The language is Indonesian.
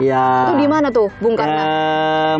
itu dimana tuh bung karnak